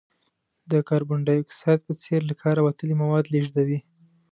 د کاربن ډای اکساید په څېر له کاره وتلي مواد لیږدوي.